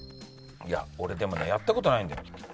いや俺でもねやった事ないんだよ。